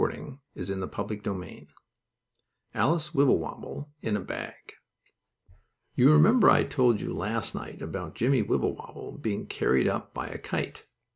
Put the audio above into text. STORY XXXI ALICE WIBBLEWOBBLE IN A BAG You remember I told you last night about Jimmie Wibblewobble being carried up by a kite.